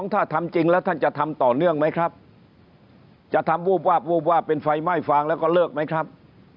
ถ้าทำจริงแล้วท่านจะทำต่อเนื่องไหมครับจะทำวูบวาบวูบวาบเป็นไฟไหม้ฟางแล้วก็เลิกไหมครับ